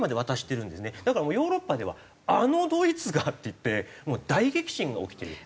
だからもうヨーロッパではあのドイツが？っていってもう大激震が起きてる。